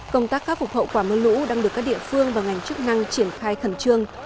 công tác khắc phục hậu quả mưa lũ đang được các địa phương và ngành chức năng triển khai khẩn trương